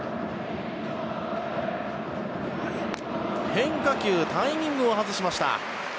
変化球タイミングを外しました。